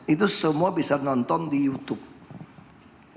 itu semua bisa nonton di youtube